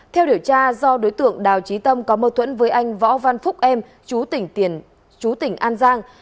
theo điều tra do đối tượng đào trí tâm có mâu thuẫn với anh võ văn phúc em chú tỉnh an giang